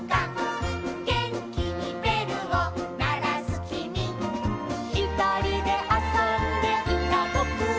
「げんきにべるをならすきみ」「ひとりであそんでいたぼくは」